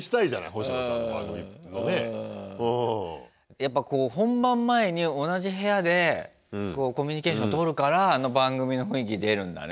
やっぱ本番前に同じ部屋でコミュニケーションとるからあの番組の雰囲気出るんだね。